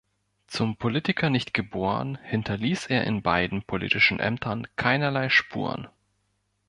Zum Politiker nicht geboren, hinterließ er in beiden politischen Ämtern keinerlei Spuren.